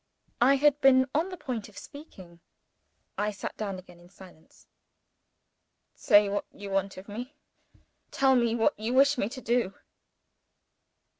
I had been on the point of speaking. I sat down again in silence. "Say what you want of me. Tell me what you wish me to do."